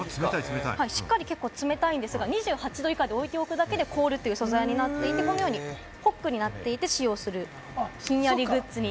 しっかり結構冷たいんですが、２８度以下に置いておくだけで凍る素材になっていて、ホックになっていて使用する、ひんやりグッズ。